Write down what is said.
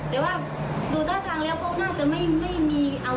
ตอนที่มากูออกมาแล้ว